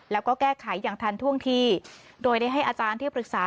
แล้วก็แก้ไขอย่างทันท่วงทีโดยได้ให้อาจารย์ที่ปรึกษา